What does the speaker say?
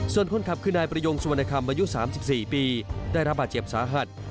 ส่วนคนขับคือนายประยงสุวรรณคำอายุ๓๔ปีได้รับบาดเจ็บสาหัส